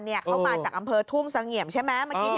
ที่เขามีมาจากอำเภอทุ่งศงเหยียม